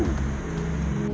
luapan air sungai suso